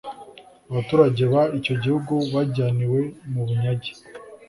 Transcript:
abaturage b icyo gihugu bajyaniwe mu bunyage